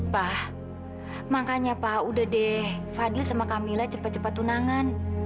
pak makanya pak udah deh fadil sama kamila cepat cepat tunangan